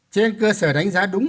trên cơ sở đánh giá đúng